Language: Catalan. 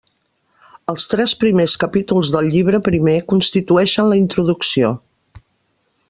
Els tres primers capítols del llibre primer constitueixen la introducció.